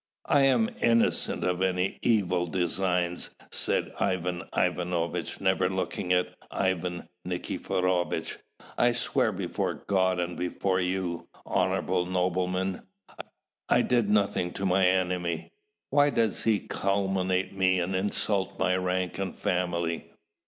"I am innocent of any evil designs!" said Ivan Ivanovitch, never looking at Ivan Nikiforovitch. "I swear before God and before you, honourable noblemen, I did nothing to my enemy! Why does he calumniate me and insult my rank and family?"